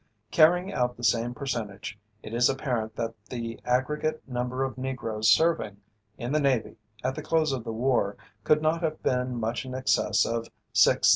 Carrying out the same percentage, it is apparent that the aggregate number of Negroes serving, in the Navy at the close of the war, could not have been much in excess of 6,000.